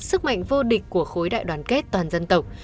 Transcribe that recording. sức mạnh vô địch của khối đại đoàn kết toàn dân tộc